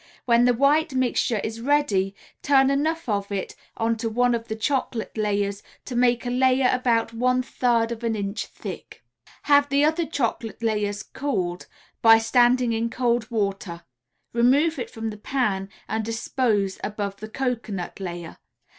When the white mixture is ready, turn enough of it onto one of the chocolate layers to make a layer about one third an inch thick. Have the other chocolate layer cooled, by standing in cold water; remove it from the pan and dispose above the cocoanut layer.